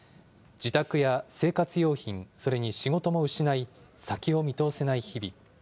自宅や生活用品、それに仕事も失い、先を見通せない日々。